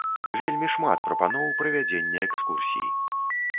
Вельмі шмат прапаноў правядзення экскурсій.